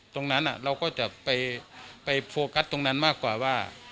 ตรงนั้นเราก็จะไปโฟกัสตรงนั้นมากกว่าว่า